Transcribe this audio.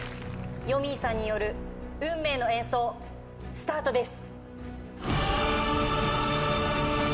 よみぃさんによる運命の演奏スタートです。